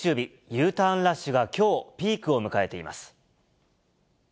Ｕターンラッシュがきょう、ピークを迎えています。